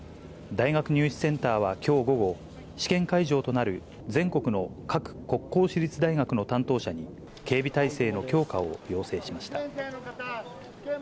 大学入試センターはきょう午後、試験会場となる、全国の各国公私立大学の担当者に、警備体制の強化を要請しました。